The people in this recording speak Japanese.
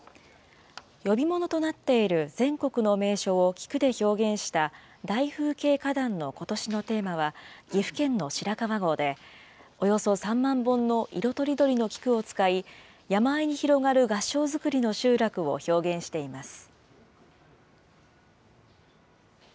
呼び物となっている全国の名所を菊で表現した、大風景花壇のことしのテーマは、岐阜県の白川郷で、およそ３万本の色とりどりの菊を使い、山あいに広がる合掌造りの集落を表現しています。